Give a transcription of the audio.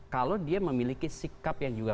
kalau dia memiliki sikap yang juga